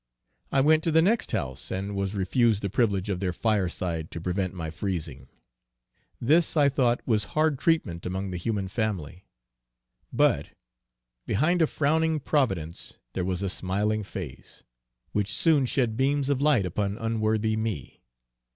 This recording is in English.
I went to the next house, and was refused the privilege of their fire side, to prevent my freezing. This I thought was hard treatment among the human family. But "Behind a frowning Providence there was a smiling face," which soon shed beams of light upon unworthy me.